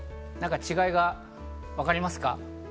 違いがわかりますか？